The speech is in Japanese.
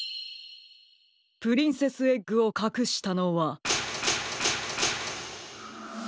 プリンセスエッグをかくしたのは。